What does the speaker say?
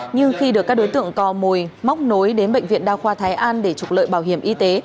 nhưng khi được các đối tượng cò mồi móc nối đến bệnh viện đa khoa thái an để trục lợi bảo hiểm y tế